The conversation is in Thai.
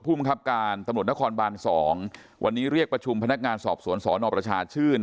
มังคับการตำรวจนครบาน๒วันนี้เรียกประชุมพนักงานสอบสวนสนประชาชื่น